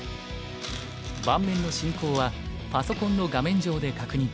盤面の進行はパソコンの画面上で確認。